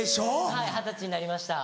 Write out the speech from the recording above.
はい二十歳になりました。